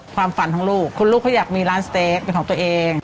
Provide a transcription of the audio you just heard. ความฝันของลูกคุณลูกเขาอยากมีร้านสเต๊กเป็นของตัวเอง